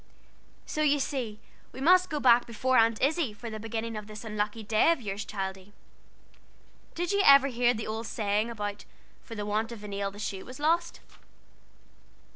"So you see we must go back of Aunt Izzie for the beginning of this unlucky day of yours, Childie. Did you ever hear the old saying about, 'For the want of a nail the shoe was lost'?"